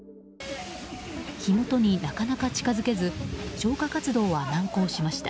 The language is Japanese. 火元になかなか近づけず消火活動は難航しました。